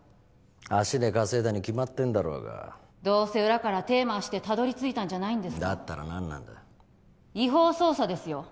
足で稼いだに決まってんだろうがどうせ裏から手まわしてたどり着いたんじゃないんですかだったら何なんだ違法捜査ですよ